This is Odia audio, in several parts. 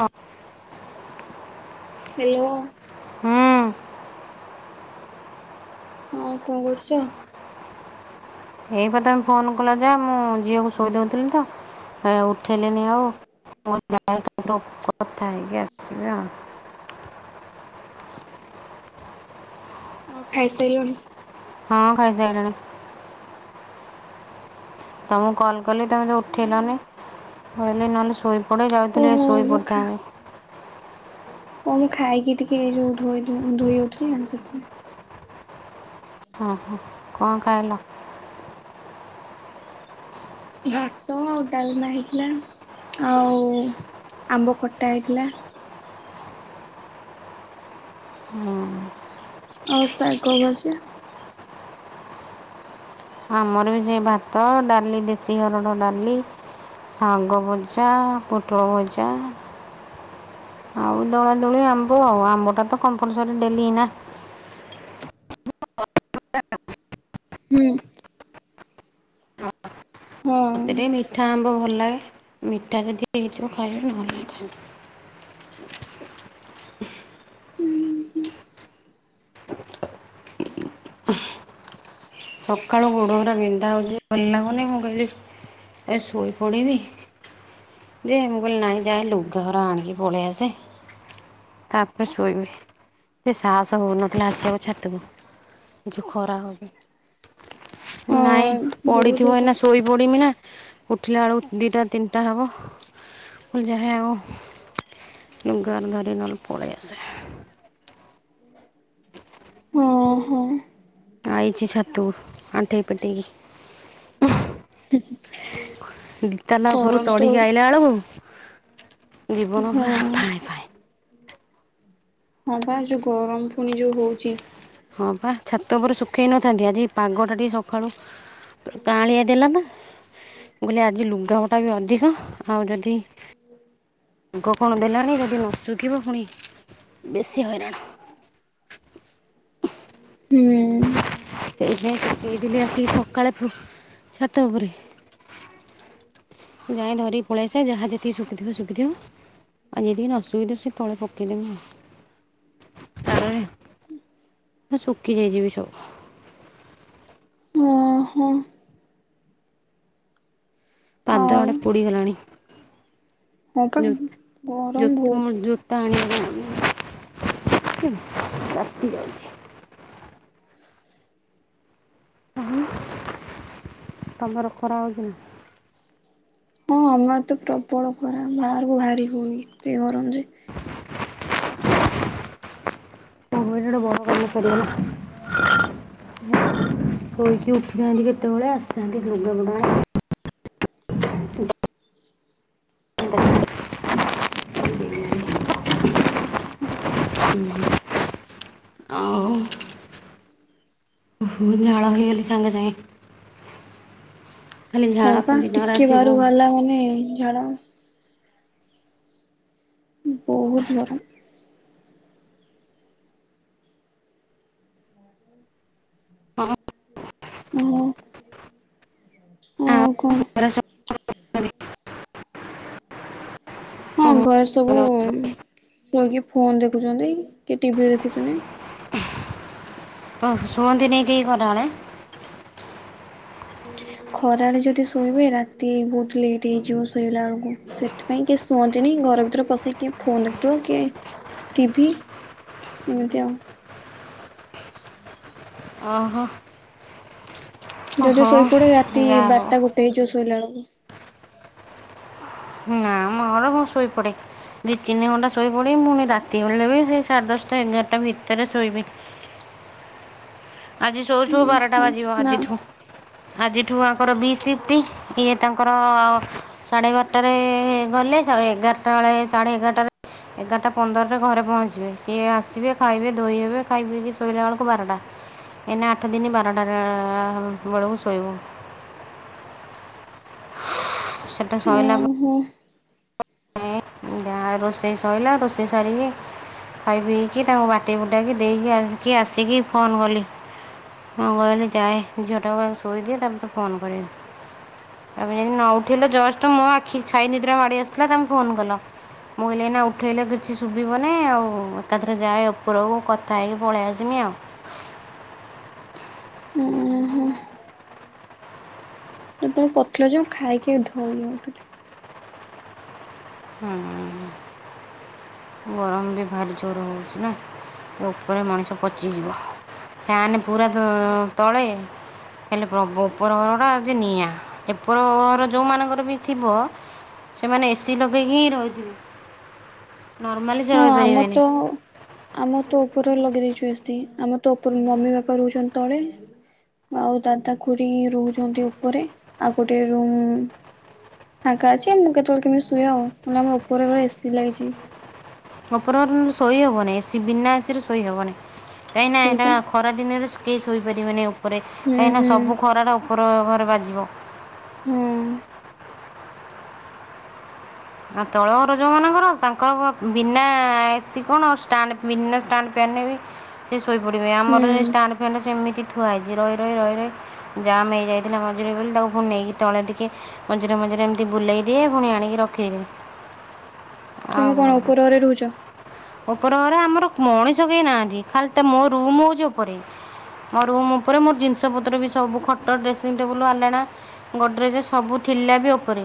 ହଁ ହ୍ୟାଲୋ ହଁ ହଁ କଣ କରୁଛ। ଏଇପ ତମେ ଫୋନ କଲ ଯା ମୁଁ ଝିଅକୁ ଶୋଇଦଉଥିଲି ତ। ଉଠେଇଲେନି ଆଉ [unintelligible] କଥା ହେଇକି ଆସିବ ଆଉ। ହଁ ଖାଇସାଇଲଣି। ହଁ ଖାଇ ସାରିଲିଣି। ତ ମୁକୁ କଲ୍ କଲି ତମେ ତ ଉଠେଇଲାନି କହିଲି ନହେଲେ ଶୋଇ ଟେ ଯାଉଥିଲେ ଓହୋ ଶୋଇ ମୁଁ ଖା ପଡ଼ିଥାନ୍ତି। ଓ ମୁଁ ଖାଇକି ଟିକେ ଯୋଉ ଧୋଇ ଧୋଇ ହଉଥିଲି ନା ସେଥିପାଇ। ଓ ହୋ କଣ ଖାଇଲ? ହ ଭାତ ଆଉ ଡାଲମା ହେଇଥିଲା ଆଉ ଆମ୍ବ ଖଟା ହେଇଥିଲା। ହୁଁ। ଆଉ ସାଗ ଭଜା। ଆମର ବି ସେ ଭାତ, ଡାଲି ଦେଶୀ ହରଡ଼ ଡାଲି ଶାଗ ଭଜା, ପୋଟଳ ଭଜା ଆଉ ଦଳା ଦଳି ଆମ୍ବ ଆଉ ଆମ୍ବଟା ତ କମ୍ପଲସରୀ ଡେଲି ନା ହୁଁ ହଁ। ମୋତେ ଟିକେ ମିଠା ଆମ୍ବ ଭଲ ଲାଗେ ମିଠା ଯଦି ହେଇଥିବ ଖାଇବି ନହେ ଲ ସକାଳୁ ଗୋଡ ହରା ବିନ୍ଧା ହଉଛି ଭଲ ଲାଗୁନି ମୁଁ କହିଲି ଏ ସୋଇ ପଡିବି ଯେ ମୁ କହିଲି ନାଇ ଯାଏଁ ଲୁଗାରା ଆଣିକି ପଳେଇ ଆସେ ତାପରେ ଶୋଇବି ସେ ସାହସ ହଉନଥିଲା ଆସିବାକୁ ଛାତକୁ ଜ ଖରା ହଉଛି। ହଁ ନାଇଁ ବହୁତ ପଢିଥିବ ତ ଏନା ଶୋଇ ପଡମି ନା- ଉଠିଲା ଆଳୁ ଦିଟା ତିନିଟା ହେବ। ମୁ କହିଲି ଜା ଆଗ ଲୁଗା [unintelligible] ନ ହେଲେ ପଳେଇ ଆସେ। ହଁ ହଁ ଆଇଛି ଛାତୁ ଆଣ୍ଠେଇ ପେଟେଇକି ହ [unintelligible] ଦିତାଲା ଉପୁରୁ ଚଢ଼ିକି ଆଇଲା ବେଳକୁ ଜୀବନ ହଁ ପୁରା ଫାଏ ଫାଏଁ। ହଁ ବା ଯୋଉ ଗରମ ପୁଣି ଯୋଉ ହଉଛି। ହଁ ପା ଛାତ ଉପୁର ଶୁଖେଇ ନଥାନ୍ତି ଆଜି ପାଗଟା ଟିକିଏ ସକାଳୁ କାଁଳିୀଆ ଦେଲା ନା କହିଲି ଆଜି ଲୁଗାପଟା ବି ଅଧିକ ଆଉ ଯଦି ପାଗ କଣ ଦେଲାନି ଯଦି ନ ଶୁଖିବ ପୁଣି ବେଶୀ ହଇରାଣ। ହୁଁ। ଏଇ ଯାଇ ସୁକେଇଥିଲି ଆସିଚି ସକାଳେ ଛାତ ଉପରେ। ଯାଇ ଧରିିକି ପଳେଇ ଆସେ ଯାହା ଯେତିକି ଶୁଖିଥିବ ଶୁଖିଥିବ। ଆଉ ଯେତିକି ନ ଶୁଖିଯିବ ସେ ତଳେ ପକେଇଦେବି। ଶୁଖି ଯାଇଯିବି ସବୁ। ହୁଁ। ପାଦ ଆଡେ ଆଉ ପୋଡିଗଲାଣି ହଁ ପା ଜୋ ଜୋ ଗରମ ମୋ ବହୁତ। ଜୋ ତା ଆଣିବା ପାଇଁ [unintelligible] ତାତି ଯାଉଛି। ତା ତମର ଖରା ହେଊଛି ନା? ହଁ ଆମେ ଏ ତ ପ୍ରବଳ ଖରା ବାହାରକୁ ବାହାରି ହଉନି ଏତେ ଗରମ ଯେ ଓ ହୋ ଏ ଟା ଗୋଟେ ବଡ଼ କାମ ସରିଗଲା। ଶୋଇକି ଉଠିଥାନ୍ତି କେତେବେଳେ ଆସିଥାନ୍ତି ଲୁଗା ପଟା ଆଡେ କଣ କରୁଥିଲ? ଆଉ, ମୁଁ ବି ଝାଳ ହେଇ ଗଲି ସାଙ୍ଗେ ସାଙ୍ଗେ। ଖାଲି ହଁ ଝାଳ ତ ବା ଦିନ ଟିକେ ରାତି ବାହାରୁକୁ ବହୁତ ବାହାରିଲା ମାନେ ଝାଳ ବହୁତ ଗରମ। ହଁ। ମାନେ କୁହ କଣ? [unintelligible] ହଁ ଘରେ ସବୁ ରହିକି ଫୋନ ଦେଖୁଛନ୍ତି କି ଟିଭିି ଦେଖୁଛନ୍ତି। ଓ ଶୁଅନ୍ତିିନି ଟିକେ ଖରା ବେଳେ? ଖରାବେଳେ ଯଦି ଶୋଇବେ ରାତି ବହୁତ ଲେଟ୍ ହେଇଯିବ ଶୋଇଲା ବେଳକୁ‌। ସେଥିପାଇଁ କିଏ ଶୁଅନ୍ତିନି ଘର ଭିତରେ ପଶିକି କିଏ ଫୋନ ଦେଖିବ କିଏ ଟିଭି ଏମିତି ଆଉ। ଅ ହ। ଯଦି ଶୋଇପଡେ ରାତି ଯାହା ହଉ ବାରଟା ଗୋଟେ ହେଇଯିବ ଶୋଇଲା ବେଳକୁ ନା ମର ମୁଁ ଶୋଇ ପଡେ। ଦି ତିନି ଘଣ୍ଟା ଶୋଇ ପଡିିବି ପୁଣି ରାତି ହେଲେ ବି ସେଇ ସାଢ଼େ ଦଶଟା ଏଗାରଟା ଭିତରେ ଶୋଇବି। ଆଜି ସୋଉ ସୋଉ ବାରଟା ଉହୁଁ ବାଜିବ ନା ଆଜିଠୁ ଆଜିଠୁ ଆଙ୍କର ବି ସିଫ୍ଟି ଇଏ ତାଙ୍କର ସାଢ଼େ ବାରଟାରେ ଗଲେ ଏଗାରଟା ବେଳେ ସାଢ଼େ ଏଗାରଟାରେ ଏଗାରଟା ପନ୍ଦରରେ ଘରେ ପହଞ୍ଚିବେ ସିଏ ଆସିବେ ଖାଇବେ ଧୋଇ ହେବେ ଖାଇ ପିଇ କି ଶୋଇଲା ବେଳକୁ ବାରଟା। ଏଇନା ଆଠ ଦିନି ବାରଟାରେ ବେଳକୁ ଶୋଇବୁ। ସେଟା ଶଇଲା ହୁଁ। ଯା ନା ରୋଷେଇ ସରିଲା ରୋଷେଇ ସାରିକି ଖାଇ ପିଇକି ତାଙ୍କୁ ବାଟି ବୁଟାକି ଦେଇକି ଆସିକି ଫୋନ କଲି। ମୁଁ କହିଲି ଆଗେ ଯାଏ ଝିଅଟାକୁ ଆଗେ ସୋଇ ଦିଏ ତାପରେ ଫୋନ କରିବି। ଏବେ ଯଦି ନ ଉଠେଇଲେ ଜଷ୍ଟ ମୋ ଆଖି ଛାଇ ନିଦ୍ରା ମାଡି ଆସୁଥିଲା ତମେ ଫୋନ କଲ, ମୁଁ ଏଇନା ଉଠେଇଲେ କିଛି ଶୁଭିବ ନାହିଁ ଆଉ ଏକାଥରେ ଯାଏ ଏ ଉପରକୁ କଥା ହେଇକି ପଳେଇ ଆସିବି ଆଉ, ହୁଁ। ଏବେ କରିଥିଲ ଯୋଉ ଖାଇକି ଧୋଇ ହୋଉଥିଲି। ହଁ। ଗରମ ବି ଭାରି ଜୋର ହଉଛି ନା ଉପରେ ମଣିଷ ପଚିଯିବ। ଫ୍ୟାନ ପୁରା ତ ତଳେ? ହେଲେ ଉପର ଘର ଟା ନିଆଁ ଉପର ଘର ଯୋଉ ମାନଙ୍କର ବି ଥିବ ସେମାନେ ଏସି ଲଗେଇକି ହିଁ ରହିଥିବେ। ନର୍ମାଲି ସେ ହଁ ଆମର ରହିପାରିବେନି ତ ଆମ ତୋ ଉପରେ ଲଗେଇ ଦେଇଛୁ ଏସି, ଆମ ତୋ ଉପର ମମି ବାପା ରହୁଛନ୍ତି ତଳେ। ଆଉ ଦାଦା ଖୁୁଡ଼ି ରହୁଛନ୍ତି ଉପରେ, ଆଉ ଗୋଟେ ରୁମ୍ ଫାଙ୍କା ଅଛି, ଆମେ ମୁଁ କେତେବେଳେ କେମିତି ଶୁଏ ଆଉ, ନହେଲେ ଆମ ଉପର ଘରେ ଏସି ଲାଗିଛି। ଅପର ଘର ଶୋଇ ହବନିଁ ବିନା ଆସିରେ ଶୋଇ ହବନିଁ, କାହିଁକିନି ଏଟା ସେଇପା ଖରା ଦିନରେ କେହି ଶୋଇପାରିବେନି ଉପରେ ହୁଁ କାହିଁକିନା ହୁଁ ସବୁ ଖରାଟା ଉପର ଘରେ ବାଜିବ। ହୁଁ ଉଁ। ଆ ତଳ ଘର ଯୋଉ ମାନଙ୍କର ତାଙ୍କର ବିନା ଏସି କଣ ଷ୍ଟାଣ୍ଡ ବିନା ଷ୍ଟାଣ୍ଡ ବି ସେ ଶୋଇ ପଡିବେ ଆମର ଏଇ ହୁଁ। ଷ୍ଟାଣ୍ଡ ଫ୍ୟାନ୍ ସେମିତି ଥୁଆ ହେଇଛି ରହି ରହି ରହି ରହି ଜାମ୍ ହେଇଯାଇଥିଲା ମଝିରେ ବୋଲି, ତାକୁ ପୁଣି ନେଇକି ତଳେ ଟିକେ ମଝିରେ ମଝିରେ ଏମିତି ବୁଲେଇ ଦିଏ, ପୁଣି ଆଣିକି ରଖିଦିଏ। ତୁମେ କଣ ଉପର ଘରେ ଘରେ ରହୁଛ? ଉପର ଘରେ ଆମର ମଣିଷ କେହି ନାହାନ୍ତି ଖାଲି ଟା ମୋ ରୁମ ହଉଛି ଉପରେ। ମୋ ରୁମ୍ ଉପରେ ମୋର ଜିନିଷ ପତ୍ର ବି ସବୁ ଖଟ, ଡ୍ରେସିଂ ଟେବୁଲ, ଆଲଣା ଗୋଡରେଜ୍ ଯେ ସବୁ ଥିଲା ବି ଉପରେ,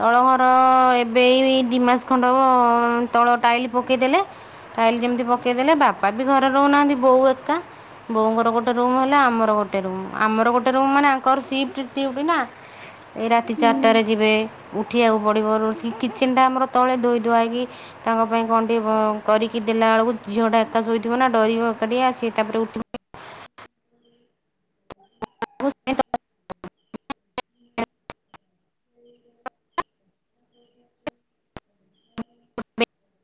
ତଳ ଘର ତ ଏବେ ଦି ମାସ ଖଣ୍ଡ ହବ ତଳ ଟାଇଲ ପକେଇଦେଲେ। ଟାଇଲି ଯେମିତି ପକେଇଦେଲେ ବାପା ବି ଘରେ ରହୁନାହାନ୍ତି, ବୋଉ ଏକା। ବୋଉଙ୍କର ଗୋଟେ ରୁମ୍ ହେଲା, ଆମର ଗୋଟେ ରୁମ୍ ଆମର ଗୋଟେ ରୁମ୍ ମାନେ ଆଙ୍କର ସିଫ୍ଟ ନା। ଏଇ ରାତି ହୁଁ ଚାରିଟାରେ ଯିବେ, ଉଠିବାକୁ ବଢ଼ିିବରୁଛି କିଚେନ୍ ଟା ଆମର ତଳେ ଧୋଇ ଧୁଆଇକି ତାଙ୍କ ପାଇଁ କଣ୍ ଟିକେ କରିକି ଦେଲା ବେଳକୁ ଝିଅ ଟା ଏକାଶୋଇଥିବ ନା ଡରିବ ଏକାଠିଆ ସେ ତାପରେ ଉଠିବ। [inaudible] [inaudible] [unintelligible]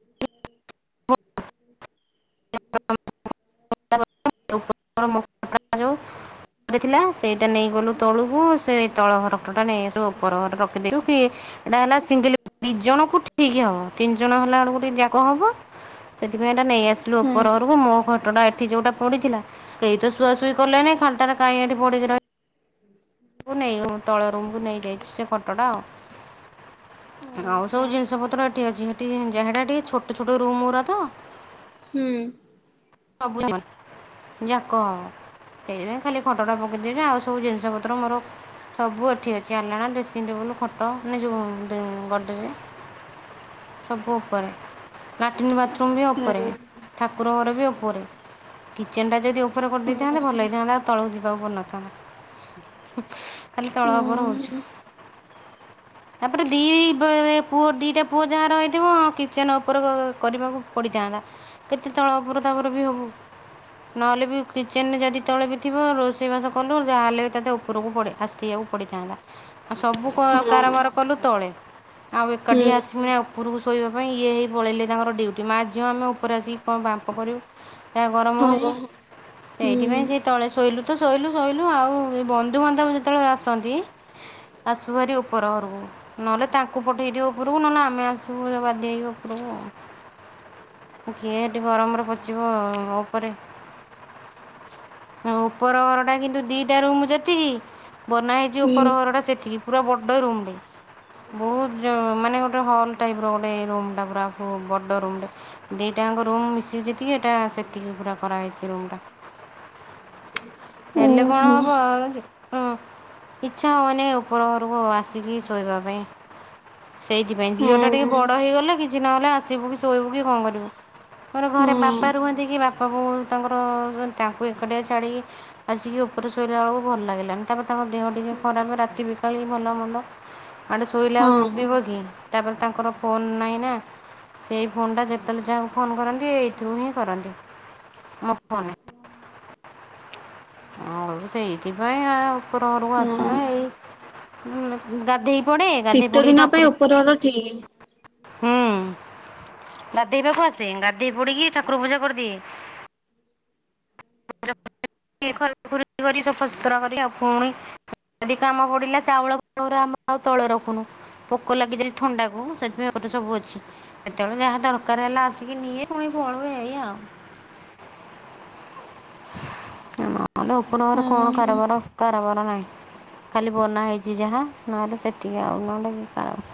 [unintelligible] ଥିଲା, ସେଇଟା ନେଇ ଗଲୁ ତଳୁକୁ, ସେଇ ତଳ ଘର ଉପରଟା ନେଇ ସବୁ ଉପର ଘରେ ରଖିଦେଲୁ କି? ଏଇଟା ହେଲା ସିଙ୍ଗଲ ଦି ଜଣ କୁ ଠିକ ହବ, ତିନି ଜଣ ହେଲା ବେଳକୁ ଟିକେ ଜାଗା ହବ। ସେଥିପାଇଁ ଏଟା ନେଇ ଆସିଲୁ ଉପର ହୁଁ। ଘରକୁ, ମୋ ଖଟଟା ଯୋଉଟା ପଡିଥିଲା, କେଇ ତ ଶୁଆସୁଇ କଲେନି ଖାଲଟା ରେ କାଇଁ ଏଠି ପଡ଼ିକି ରହିବ ନେଇ ତଳ ରୁମକୁ ନେଇଯାଇଛି ସେ ଖଟ ଟା ଆଉ। ହଁ ଅ। ଆଉ ସବୁ ଜିନିଷ ପତ୍ର ଏଠି ଅଛି ହେଠି ଯେହେଟା ଟିକେ ଛୋଟ ଛୋଟ ରୁମ ଗୁରା ତ। ହୁଁ ଉଁ। ସବୁ ଯାକ। ହେଇଥିପାଇଁ ଖାଲି ଖଟା ପକେଇ ଦେଇଛୁ, ଆଉ ସବୁ ଜିନିଷ ପତ୍ର ମୋର ସବୁ ଏଠି ଅଛି, ଆଲାଣା, ଡ୍ରେସିଂ ଟେବୁଲ୍, ଖଟ ନାଁ ଯେଉଁ ଗଡ୍ରେଜ୍। ସବୁ ଉପରେ ଲାଟିନ୍ ବାଥ୍ରୁମ୍ ଥୁମ୍ ବି ଅପରେ ହୁଁ। ଠାକୁର ଘର ବି ଉପରେ, କିଚେନ୍ ଟା ଯଦି ଉପ ଉପରେ କରିଦେଇଥାନ୍ତେ ଭଲ ହେଇଥାନ୍ତା, ଆଉ ତଳକୁ ଯିବାକୁ ପଡିନଥାନ୍ତା। ଖାଲି ତଳ ଉପର ହଉଚି। ତାପରେ ଦି ପୁଅ ଦିଟା ପୁଅ ଯାହା ରହିଥିବ କିଚେନ୍ ଉପର କରିବାକୁ ପଡ଼ିଥାନ୍ତା। କେତେ ତଳ ଉପର ତାପରେ ବି ହବୁ। ନହେଲେ ବି କିଚେନ୍ ରେ ଯଦି ତଳେ ବି ଥିବ ରୋଷେଇବାସ କଲୁ ଯାହେଲେ ତତେ ଉପରକୁ ପଡ଼େ ଆସ ଥିବାକୁ ପଡ଼ିଥାନ୍ତା ଆଉ ସବୁ କ କାରବାର କଲୁ ତଳେ ଆଉ ଏକାଠି ଆସିମିନି ଆଉ ଉପରକୁ ଶୋଇବା ପାଇଁ ଇଏ ହେଇ ପଳେଇଲେ ତାଙ୍କର ଡ୍ୟୁଟି ମା ଝିଅ ଆମେ ଉପରେ ଆସିକି କଣ ବାମ୍ପ କରିବୁ ଏ ଗରମ ହଉଚି ସେଇଥିପାଇଁ ସିଏ ତଳେ ଶୋଇଲୁ ତ ଶୋଇଲୁ ଶୋଇଲୁ ଆଉ ବନ୍ଧୁବାନ୍ଧବ ଯେତେବେଳେ ଆସନ୍ତି। ଆସୁ ଭାରି ଉପର ଘରକୁ। ନହେଲେ ତାଙ୍କୁ ପଠେଇଦେଉ ଉପରକୁ, ନହେଲେ ଆମେ ଆସିବୁ ବାଧ୍ୟ ହେଇକି ଉପରକୁ ଆଉ। କିିଏ ହେଟି ଗରମରେ ପଚିବ ଓପରେ ନା ଉପର ଘର ଟା କିନ୍ତୁ ଦିଟା ରୁମ୍ ଯେତିକି ବନା ହେଇଚି ଜି ଉପର ଘରଟା ସେତିକି ପୁରା ବଡ଼ ରୁମ୍ ଟେ। ବହୁତ ଜଣ ମାନେ ଗୋଟେ ହଲ୍ ଟାଇପର ଗୋଟେ ରୁମ୍ ଟା ପୁରା ବଡ଼ ରୁମ୍ ଟେ। ଦିଟାଙ୍କ ରୁମ୍ ମିଶିକି ଯେ ଏତିକି ଏଟା ସେତିକି ପୁରା କରାହେଇଛି ରୁମ୍ ଟା। ହେଲେ କଣ ହବ [unintelligible] ହୁଁ ଇଚ୍ଛା ହଉନି ଉପର ଘରକୁ ଆସିକି ଶୋଇବା ପାଇଁ। ସେଇଥିପାଇଁ ଝିଅ ଟା ଟିକେ ବଡ଼ ହେଇଗଲେ କିଛି ନହେଲେ ଆସିବୁ କି ଶୋଇବୁ କି କଣ କରିବୁ। ମୋର ଘରେ ବାପା ରୁହନ୍ତି କି ବାପା ବୋଉ ତାଙ୍କର ତାଙ୍କୁ ଏକାଟିଆ ଛାଡ଼ିକି ଆସିକି ଉପରେ ଶୋଇଲା ବେଳକୁ ଭଲ ଲାଗିଲାନି ତାପରେ ତାଙ୍କ ଦେହ ଟିକେ ଖରାପ ରାତି ବିକାଳି ଭଲ ମନ୍ଦ ମାନେ ସୋଇଲେ ଆଉ ସୁବିବକି ତାପରେ ତାଙ୍କର ଫୋନ୍ ନାହିଁ ନା ସେଇ ଫୋନ୍ ଟା ଯେତେଳେ ଯାହାକୁ ଫୋନ୍ କରନ୍ତି ଏ ଇତିରୁ ହିଁ କରନ୍ତି ମୋ ଫୋନ୍ ରେ। ଆଉ ସେଇଥିପାଇଁ ହେରା ଉପର ଘରକୁ ଆସୁନା ଏଇ ହଁ ଗାଧେଇ ପଡ଼େ ଗାଧେଇ ଶୀତ ପଡ଼ିକି ଦିନ ପାଇଁ ଠାକୁର ଉପରର ଠିକ ହୁଁ ଗାଧୋଇ ବାକୁ ଆସେ ଗାଧୋଇ ପଡ଼ିକି ଠାକୁର ପୂଜା କରିଦିଏ। [unintelligible] ଖରକା ଖରୁକି କରିକି ସଫାସତୁରା କରି ପୁଣି ଯଦି କାମ ପଡ଼ିଲା ଚାଉଳ ଅରା ଆମେ ଆଉ ତଳେ ରଖୁନୁ। ପୋକ ଲାଗି ଯାଇ ଥଣ୍ଡାକୁ ସେଥିପାଇଁ ଓପରେ ସବୁ ଅଛି। କେତେବେଳେ ଯାହା ଦରକାର ହେଲା ଆସିକି ନିଏ ପୁଣି ପଳୁଏ ଏଇଆ ଆଉ। ନହେଲେ ଉପରେ କଣ ହଁ କାରବାର କରାବାର ନାହି। ଖାଲି ବନା ହେଇଚି ଯାହା ନହେଲେ ସେତିକି ଆଉ ନହେଲେ କାରବାର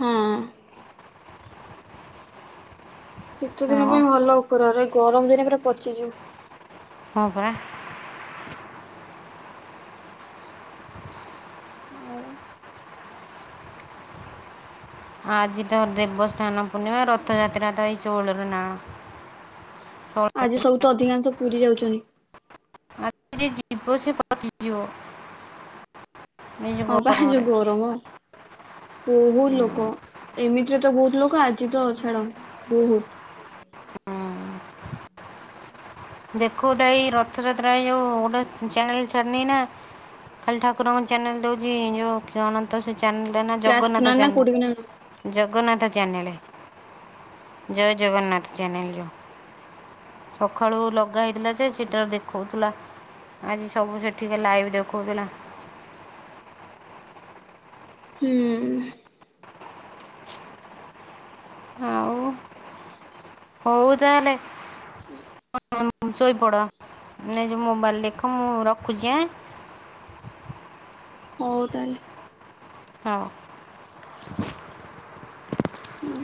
ହଁ। ଶୀତ ଦିନ ଆଉ ପାଇଁ ଭଲ ଉପର ଘର ଗରମ ଦିନେ ପୁରା ପଚିଯିବୁ। ହଁ ପରା। ଆଉ ଆଜି ତ ଦେବସ୍ଥାନ ପୂର୍ଣ୍ଣିମା ରଥଯାତ୍ରା ତ ଏଇ ଷୋଳରେ ନାଁ କଣ। ତ ଆଜି ସବୁ ତ ଅଧିକାଂଶ ପୁରୀ ଯାଉଛନ୍ତି। ଆଜି ଯିଏ ଜିବ ସିଏ ପହଞ୍ଚି ଯିବ। ଏଇ ହଁ ଯେଉଁ ପା ଗରମରେ ଯୋଉ ଗରମ। ବହୁତ ଲୋକ ଏମିତିରେ ତ ବହୁତ ଲୋକ ଆଜି ତ ଛାଡ଼ ବହୁତ ଦେଖୋଉ ଥାଏ ଏଇ ରଥଯାତ୍ରା ରେ ଏଇ ଯୋଉ ଗୋଟେ ଚ୍ୟାନେଲ୍ ଛାଡ଼ିନେଇ ନା ଖାଲି ଠାକୁରଙ୍କ ଚ୍ୟାନେଲ ଦଉଚି ଯୋଉ ଜଗନ୍ନାଥ ସେ ଚ୍ୟାନେଲ ନା ପ୍ରାର୍ଥନା ଜଗନ୍ନାଥ ନା କୋଉଠି ବି ନା channel. Jagannath channel Jai Jagannath channel ଯୋଉ କାଳୁ ଲଗା ହେଇଥିଲା ସେ ସେଇଟା ଦେଖାଉଥିଲା ଆଜି ସବୁ ସେଠିକେ ଲାଇଭ୍ ଦେଖାଉଥିଲା। ହୁଁ ହଉ ହଉ ତାହେଲେ ହ ଶୋଇପଡ଼ ନିଜ ମୋବାଇଲ ଦେଖ ମୁଁ ରଖୁଛି ଆଁ ହଉ ତାହେଲେ ହଁ ହୁଁ।